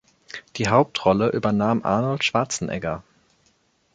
Die Hauptrolle übernahm Arnold Schwarzenegger.